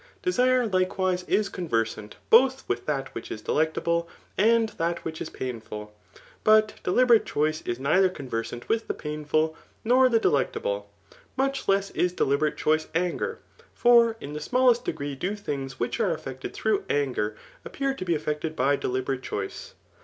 Desire, likewise, i^ €q% versant both with that which is delectable, and diftl which is painful ; but deliberate choice is neither conrer* sant with the painful, nor the delectable. Much less k deliberate choice anger ; for in the smallest degree d0 things which are eflfected through anger appear to be effected by deliberate choice.